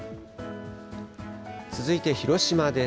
続いて広島です。